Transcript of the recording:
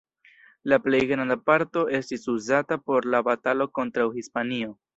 La plej granda parto estis uzata por la batalo kontraŭ Hispanio.